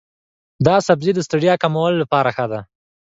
دا سبزی د ستړیا کمولو لپاره ښه دی.